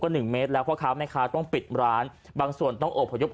ก็๑เมตรแล้วข้าวแม่ค้าต้องปิดร้านบางส่วนต้องอบหยุด